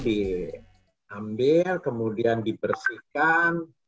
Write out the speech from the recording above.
jadi madu diambil kemudian dibersihkan